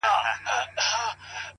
• هره ورځ به يې و غلا ته هڅولم,